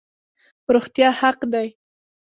روغتیا حق دی